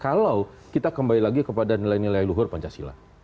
kalau kita kembali lagi kepada nilai nilai luhur pancasila